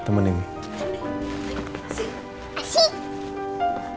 aduh ya tidur